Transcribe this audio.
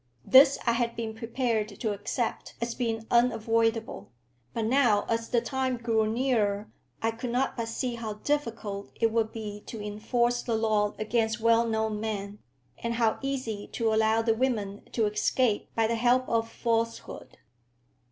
This I had been prepared to accept as being unavoidable; but now, as the time grew nearer, I could not but see how difficult it would be to enforce the law against well known men, and how easy to allow the women to escape by the help of falsehood.